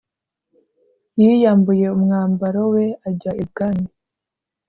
yiyambuye umwambaro we ajya ibwami.